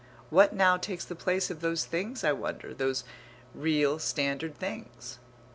What now takes the place of those things I wonder, those real standard things?